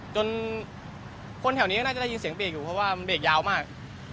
จนคนแถวนี้ก็น่าจะได้ยินเสียงเบรกอยู่เพราะว่ามันเบรกยาวมาก